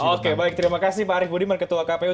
oke baik terima kasih pak arief budiman ketua kpu